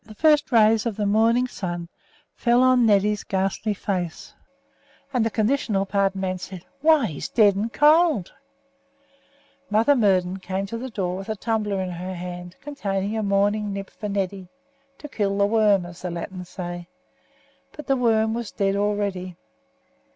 The first rays of the rising sun fell on Neddy's ghastly face, and the "conditional pardon" man said, "Why, he's dead and cold." Mother Murden came to the door with a tumbler in her hand, containing a morning nip for Neddy, "to kill the worm," as the Latins say; but the worm was dead already.